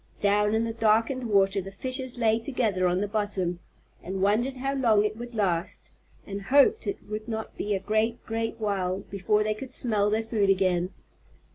Down in the darkened water the fishes lay together on the bottom, and wondered how long it would last, and hoped it would not be a great, great while before they could smell their food again.